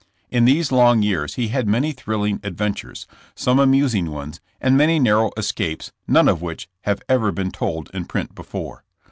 In these long years he had many thrilling adventures, some amusing ones, and many narrow escapes none of which have ever been told in print before.